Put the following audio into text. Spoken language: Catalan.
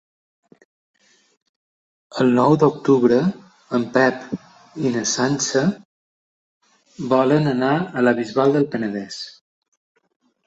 El nou d'octubre en Pep i na Sança volen anar a la Bisbal del Penedès.